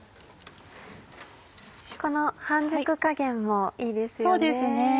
この半熟加減もいいですよね。